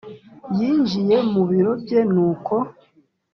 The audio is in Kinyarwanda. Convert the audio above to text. yinjiye mubiro bye nuko